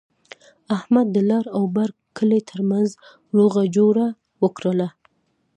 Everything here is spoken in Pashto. احمد د لر او بر کلي ترمنځ روغه جوړه وکړله.